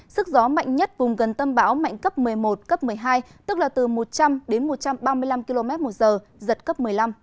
sức gió mạnh nhất vùng gần tâm bão mạnh cấp một mươi một cấp một mươi hai tức là từ một trăm linh đến một trăm ba mươi năm km một giờ giật cấp một mươi năm